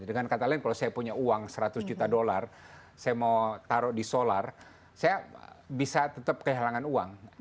dengan kata lain kalau saya punya uang seratus juta dolar saya mau taruh di solar saya bisa tetap kehilangan uang